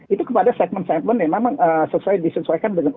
itu kepada segmen segmen yang memang sesuai disesuaikan dengan